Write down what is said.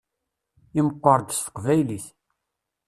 Imeqqeṛ-d s teqbaylit.